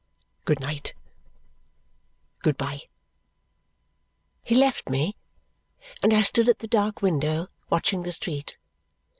"Good night; good bye." He left me, and I stood at the dark window watching the street.